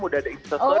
udah ada instastory